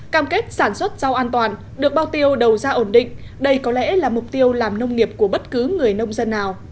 cam kết sản xuất rau an toàn được bao tiêu đầu ra ổn định đây có lẽ là mục tiêu làm nông nghiệp của bất cứ người nông dân nào